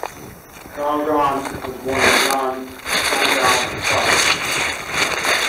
Luo Gan was born in Jinan, Shandong province.